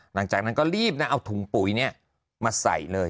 หลังจากนั้นก็รีบนะเอาถุงปุ๋ยมาใส่เลย